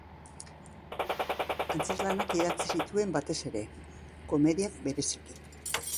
Antzezlanak idatzi zituen batez ere, komediak bereziki.